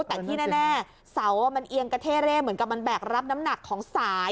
แต่ที่แน่เสามันเอียงกระเท่เร่เหมือนกับมันแบกรับน้ำหนักของสาย